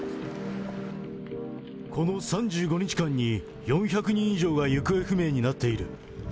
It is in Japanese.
この３５日間に４００人以上が行方不明になっている。